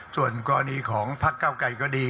ส่วนกรณีของพักเก้าไกรก็ดี